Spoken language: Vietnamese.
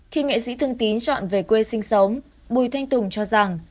khi nghệ sĩ thương tín chọn về quê sinh sống bùi thanh tùng cho rằng